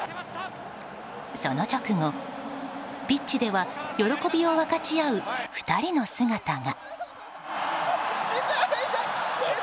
その直後、ピッチでは喜びを分かち合う２人の姿が。